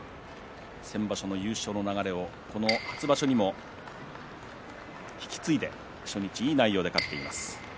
先場所の優勝の流れをこの初場所にも引き継いで初日、いい内容で勝っています。